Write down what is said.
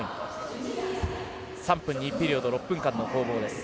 ３分２ピリオド６分間の攻防です。